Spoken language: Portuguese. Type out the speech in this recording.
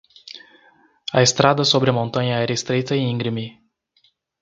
A estrada sobre a montanha era estreita e íngreme.